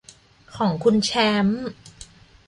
ของคุณแชมป์